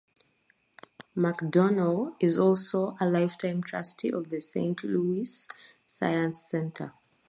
McDonnell is also a lifetime trustee of the Saint Louis Science Center.